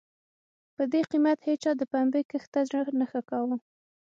په دې قېمت هېچا د پنبې کښت ته زړه نه ښه کاوه.